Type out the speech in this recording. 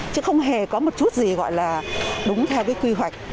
chứ không hề có một chút gì gọi là đúng theo cái quy hoạch